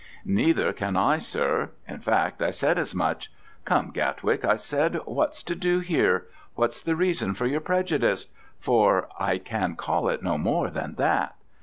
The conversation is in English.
"Neether can I, sir. In fact I said as much. 'Come, Gatwick,' I said, 'what's to do here? What's the reason of your prejudice for I can call it no more than that?'